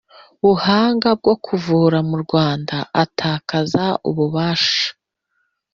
buhanga bwo kuvura mu Rwanda atakaza ububasha